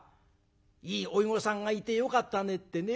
いい甥御さんがいてよかったねってね。